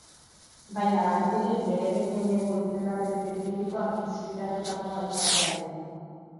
Baina baliteke bere behin-behineko izendapen zientifikoak inspiratutakoa izatea ere.